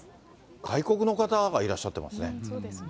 外国の方なんかいらっしゃってますね。